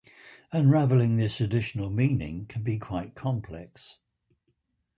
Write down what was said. Unraveling this additional meaning can become quite complex.